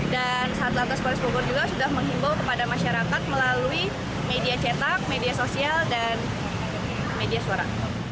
dan satu lintas polis bobor juga sudah menghimbau kepada masyarakat melalui media cetak media sosial dan media suara